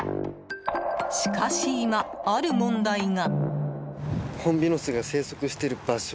しかし今、ある問題が。